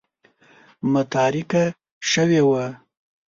متارکه شوې وه.